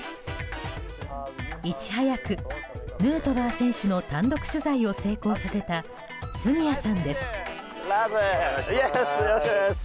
いち早くヌートバー選手の単独取材を成功させた杉谷さんです。